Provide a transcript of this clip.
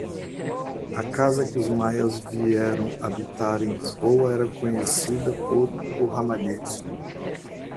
A casa que os Maias vieram habitar em Lisboa era conhecida por "o Ramalhete".